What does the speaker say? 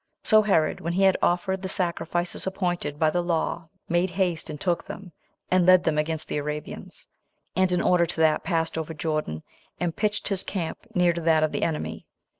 So Herod, when he had offered the sacrifices appointed by the law 10 made haste, and took them, and led them against the Arabians; and in order to that passed over Jordan, and pitched his camp near to that of the enemy.